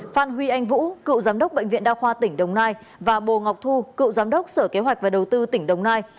phan huy anh vũ cựu giám đốc bệnh viện đa khoa tỉnh đồng nai và bồ ngọc thu cựu giám đốc sở kế hoạch và đầu tư tỉnh đồng nai